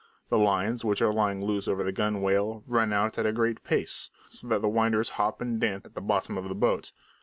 The lines, which are lying loose over the gunwale, run out at a great pace, so that the winders hop and dance about at the bottom of the boat.